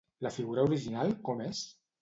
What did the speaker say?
La figura original com és?